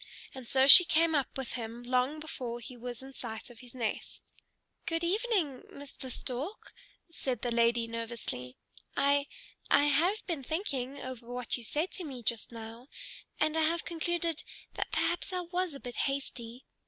And so she came up with him long before he was in sight of his nest. "Good evening, Mr. Stork," said the lady nervously. "I I have been thinking over what you said to me just now, and I have concluded that perhaps I was a bit hasty.